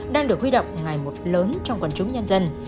đang được huy động ngày một lớn trong quần chúng nhân dân